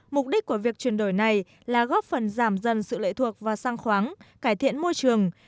mục đích của việc chuyển đổi này là góp phần giảm dần sự lệ thuộc vào sang khoáng cải thiện môi trường